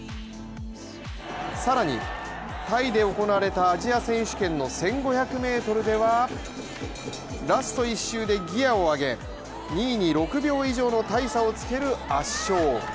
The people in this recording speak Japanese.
更に、タイで行われたアジア選手権の１５００ｍでは、ラスト１周でギアを上げ２位に６秒以上の大差をつける圧勝。